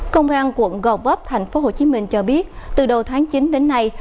công an quận gò vấp thành phố hồ chí minh cho biết từ đầu tháng chín đến nay